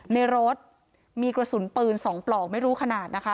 ในรถมีกระสุนปืน๒ปลอกไม่รู้ขนาดนะคะ